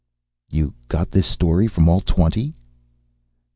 "You got this story from all twenty?"